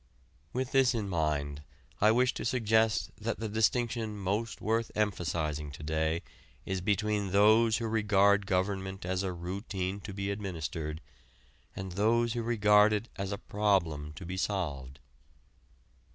With this in mind I wish to suggest that the distinction most worth emphasizing to day is between those who regard government as a routine to be administered and those who regard it as a problem to be solved.